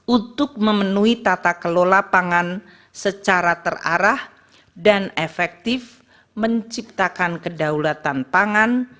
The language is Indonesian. untuk memenuhi tata kelola pangan secara terarah dan efektif menciptakan kedaulatan pangan